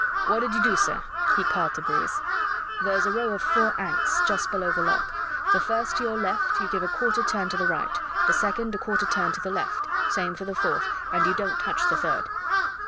What did you do, sir?" he called to Bruce. "There's a row of four ankhs just below the lock. The first to your left you give a quarter turn to the right, the second a quarter turn to the left, same for the fourth, and you don't touch the third."